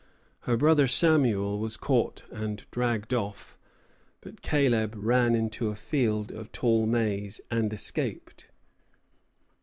Her brother Samuel was caught and dragged off, but Caleb ran into a field of tall maize, and escaped.